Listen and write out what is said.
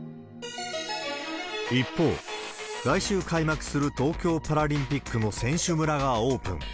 一方、来週開幕する東京パラリンピックも選手村がオープン。